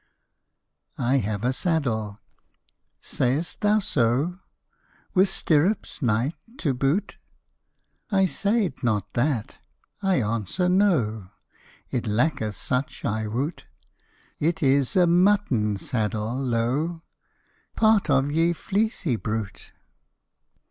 I have a saddel "Say'st thou soe? Wyth styrruppes, Knyghte, to boote?" I sayde not that I answere "Noe" Yt lacketh such, I woote: Yt ys a mutton saddel, loe! Parte of y{e} fleecye brute.